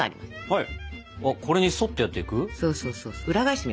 はい！